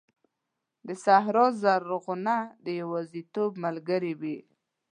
د صحرا ږغونه د یوازیتوب ملګري وي.